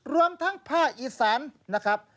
รวมทั้งภาคอีสานนะครับ